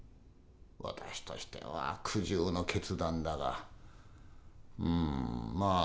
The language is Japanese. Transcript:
私としては苦渋の決断だがうんま